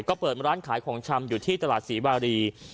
ก็เปิดร้านขายของชำอยู่ที่ตลาดศรีวารี